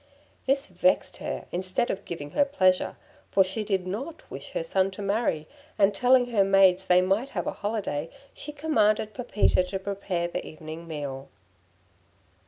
This vexed her instead of giving her pleasure, for she did not wish her son to marry, and telling her maids they might have a holiday, she commanded Pepita to prepare the evening meal.